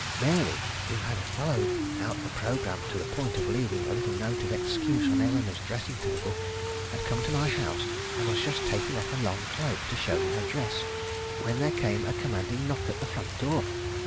Mary, who had followed out the programme to the point of leaving a little note of excuse on Eleanore's dressing table, had come to my house, and was just taking off her long cloak to show me her dress, when there came a commanding knock at the front door.